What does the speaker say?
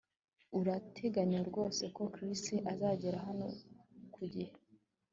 Urateganya rwose ko Chris azagera hano ku gihe